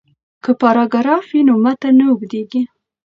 که پاراګراف وي نو متن نه اوږدیږي.